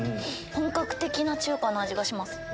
本格的な中華の味がします。